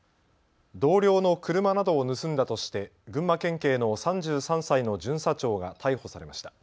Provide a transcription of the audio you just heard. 同僚の車などを盗んだとして群馬県警の３３歳の巡査長が逮捕されました。